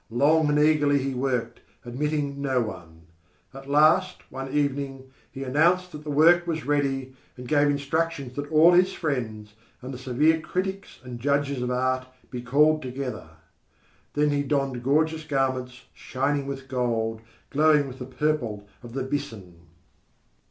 Long and eagerly he worked, admitting no one. At last, one morning, he announced that the work was ready, and gave instructions that all his friends, and the severe critics and judges of art, be called together. Then he donned gorgeous garments, shining with gold, glowing with the purple of the byssin.